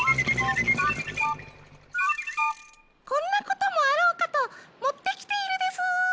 こんなこともあろうかともってきているでスー。